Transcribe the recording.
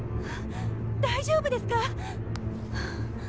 大丈夫ですか？